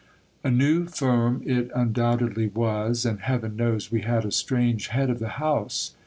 A new firm it undoubtedly was, and heaven knows we had a strange head of the house.